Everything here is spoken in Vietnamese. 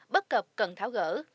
bất cập cần tháo gỡ